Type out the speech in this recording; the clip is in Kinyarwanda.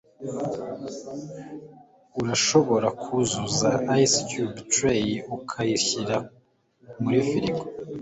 urashobora kuzuza ice cube tray ukayishyira muri firigo